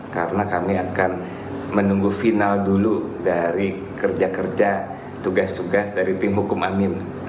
karena kami akan menunggu final dulu dari kerja kerja tugas tugas dari tim hukum amim